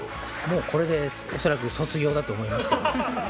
もうこれで恐らく卒業だと思いますけど。